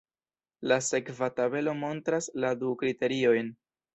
La sekva tabelo montras la du kriteriojn.